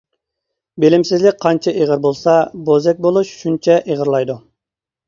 بىلىمسىزلىك قانچە ئېغىر بولسا بوزەك بولۇش شۇنچە ئېغىرلايدۇ.